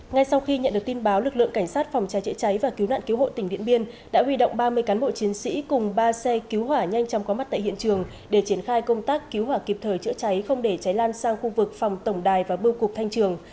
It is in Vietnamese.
ngay sau khi nhận được tin báo lực lượng cảnh sát phòng cháy chữa cháy và cứu nạn cứu hộ tỉnh điện biên đã huy động ba mươi cán bộ chiến sĩ cùng ba xe cứu hỏa nhanh chóng có mặt tại hiện trường để triển khai công tác cứu hỏa kịp thời chữa cháy không để cháy lan sang khu vực phòng tổng đài và bưu cục thanh trường